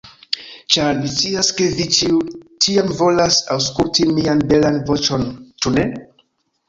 Ĉar, mi scias, ke vi ĉiuj, ĉiam volas aŭskulti mian belan voĉon, ĉu ne?